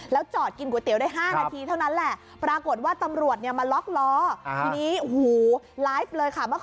แล้วจอดกินก๋วยเตี๋ยวได้๕นาทีเท่านั้นแหละ